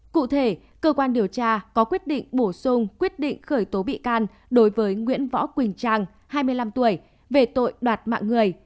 cụ thể cơ quan điều tra có quyết định bổ sung quyết định khởi tố bị can đối với nguyễn võ quỳnh trang hai mươi năm tuổi về tội đoạt mạng người